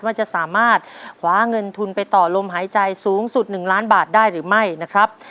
ว่าจะสามารถคว้าเงินทุนไปต่อลมหายใจสูงสุด๑ล้านบาทได้หรือไม่นะครับ